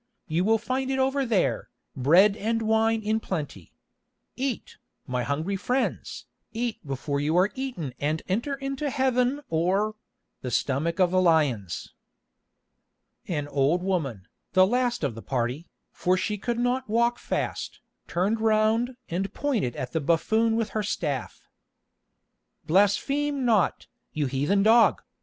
You will find it over there, bread and wine in plenty. Eat, my hungry friends, eat before you are eaten and enter into Heaven or—the stomach of the lions." An old woman, the last of the party, for she could not walk fast, turned round and pointed at the buffoon with her staff. "Blaspheme not, you heathen dog!"